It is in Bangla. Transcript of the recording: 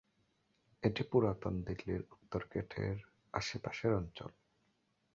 এটি পুরাতন দিল্লির উত্তর গেটের আশেপাশের অঞ্চল।